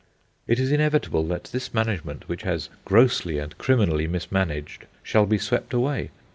It is inevitable that this management, which has grossly and criminally mismanaged, shall be swept away.